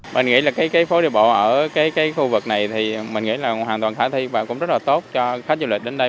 mình nghĩ là cái phố đi bộ ở cái khu vực này thì mình nghĩ là hoàn toàn khả thi và cũng rất là tốt cho khách du lịch đến đây